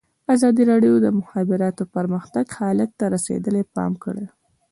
ازادي راډیو د د مخابراتو پرمختګ حالت ته رسېدلي پام کړی.